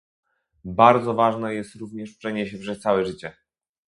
Bardzo ważne jest również uczenie się przez całe życie